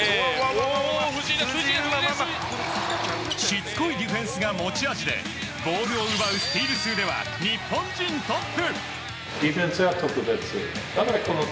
しつこいディフェンスが持ち味でボールを奪うスチール数では日本人トップ。